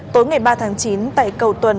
tối ngày ba tháng chín tại cầu tuần